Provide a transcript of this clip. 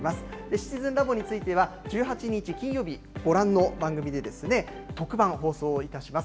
シチズンラボについては１８日金曜日、ご覧の番組で特番、放送いたします。